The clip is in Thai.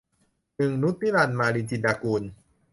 หนึ่งนุช นิรันดร์ - มาลิน จินดากุล